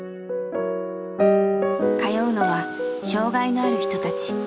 通うのは障害のある人たち。